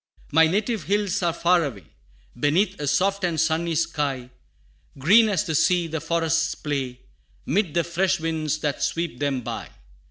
"My native hills are far away, Beneath a soft and sunny sky; Green as the sea, the forests play, 'Mid the fresh winds that sweep them by.